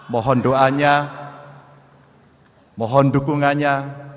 mohon doanya mohon dukungannya